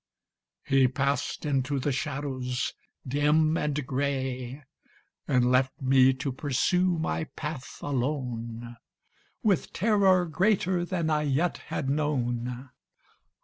He passed into the shadows dim and grey, And left me to pursue my path alone. With terror greater than I yet had known.